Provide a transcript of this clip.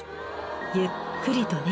ゆっくりとね。